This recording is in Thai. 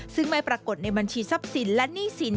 ซึ่งไม่ปรากฏในบัญชีทรัพย์สินและหนี้สิน